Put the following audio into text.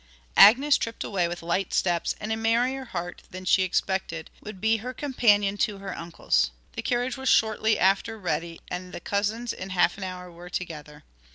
Agnes tripped away with light steps and a merrier heart than she expected would be her companion to her uncle's. The carriage was shortly after ready, and the cousins in half an hour were together.